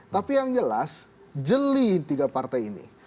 tapi yang jelas jeli tiga partai ini